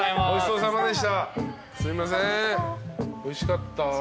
おいしかった。